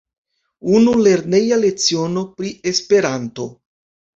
Unu lerneja leciono pri Esperanto!